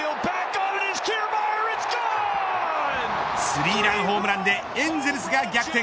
スリーランホームランでエンゼルスが逆転。